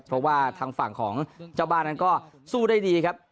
เพราะว่าทางฝั่งของเจ้าบ้านนั้นก็สู้ได้ดีครับ